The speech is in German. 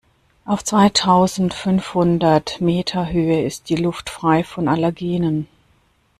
Auf zweitausendfünfhundert Metern Höhe ist die Luft frei von Allergenen.